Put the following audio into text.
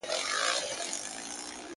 لوستونکي بېلابېل نظرونه ورکوي,